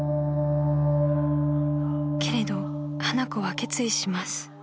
［けれど花子は決意します］